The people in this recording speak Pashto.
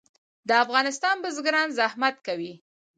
د افغانستان بزګران زحمت کوي